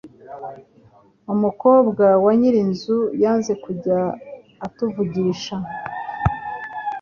umukobwa wa nyirinzu yanze kujya atuvugisha